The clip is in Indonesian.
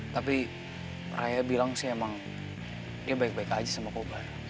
tapi raya bilang sih emang ya baik baik aja sama kobar